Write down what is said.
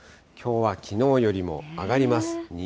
きょうはきのうよりも上がります。